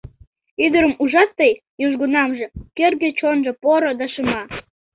Ӱдырым ужат тый южгунамже, Кӧргӧ чонжо поро да шыма.